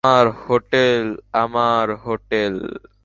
আমার হোটেল, আমার হোটেল!